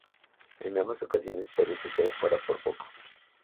En ambas ocasiones, Perú se quedó fuera por poco.